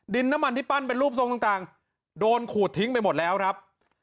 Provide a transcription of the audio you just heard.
น้ำมันที่ปั้นเป็นรูปทรงต่างโดนขูดทิ้งไปหมดแล้วครับ